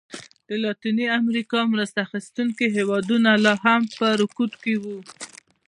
د لاتینې امریکا مرسته اخیستونکي هېوادونه لا هم په رکود کې وو.